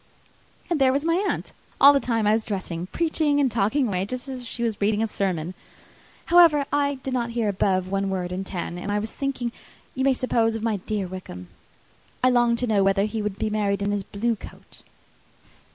And there was my aunt, all the time I was dressing, preaching and talking away just as if she was reading a sermon. However, I did not hear above one word in ten, for I was thinking, you may suppose, of my dear Wickham. I longed to know whether he would be married in his blue coat.